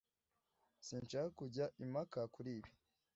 sinshaka kujya impaka kuri ibi.